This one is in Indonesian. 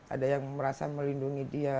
ada yang merasa melindungi dia